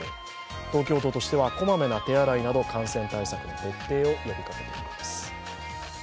東京都としてはこまめな手洗いなど感染対策の徹底を呼びかけています。